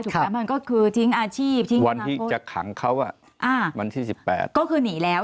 ถูกแปดมันก็คือทิ้งอาชีพวันที่จะขังเขาวันที่สิบแปดก็คือหนีแล้ว